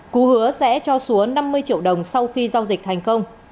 cú hứa sẽ cho xúa năm mươi triệu đồng sau khi giao dịch thành công